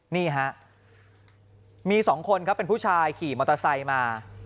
นี่ฮะมี๒คนครับเป็นผู้ชายขี่มอเตอร์ไซค์มา